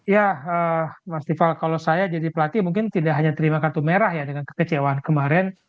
ya mas rival kalau saya jadi pelatih mungkin tidak hanya terima kartu merah ya dengan kekecewaan kemarin